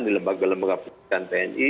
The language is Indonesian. di lembaga lembaga pendidikan tni